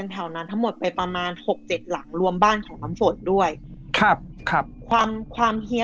หกเจ็ดหลังรวมบ้านของน้ำฝนด้วยครับครับความความเหี้ย